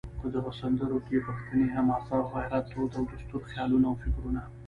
په دغو سندرو کې پښتني حماسه او غیرت، دود او دستور، خیالونه او فکرونه